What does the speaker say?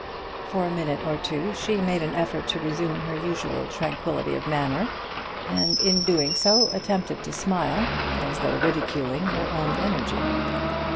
For a minute or two she made an effort to resume her usual tranquillity of manner, and in doing so attempted to smile, as though ridiculing her own energy.